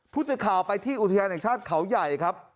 ผู้สื่อข่าวไปที่อุทยานแห่งชาติเขาใหญ่ครับ